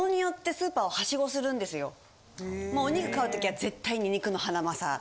もうお肉買う時は絶対に肉のハナマサ。